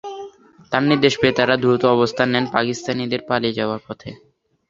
তার নির্দেশ পেয়ে তারা দ্রুত অবস্থান নেন পাকিস্তানিদের পালিয়ে যাওয়ার পথে।